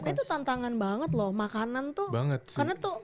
itu tantangan banget loh makanan tuh karena tuh